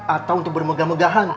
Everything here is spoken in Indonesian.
atau untuk bermegah megahan